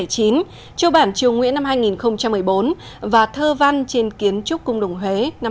triều bản triều nguyễn năm hai nghìn một mươi bốn và thơ văn trên kiến trúc cung đồng huế năm hai nghìn một mươi tám